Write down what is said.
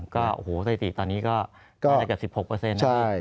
ก็โอ้โหสถิติตอนนี้ก็ได้เกือบ๑๖นะพี่